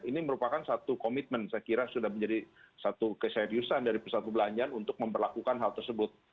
ini merupakan satu komitmen saya kira sudah menjadi satu keseriusan dari pusat perbelanjaan untuk memperlakukan hal tersebut